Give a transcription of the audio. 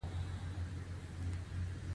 د زړه عضله د شمزۍ لرونکو حیواناتو زړه جوړوي.